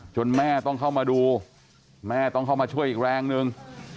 แม่ต้องเข้ามาดูแม่ต้องเข้ามาช่วยอีกแรงนึง